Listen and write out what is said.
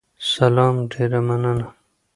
سلام، ډیره مننه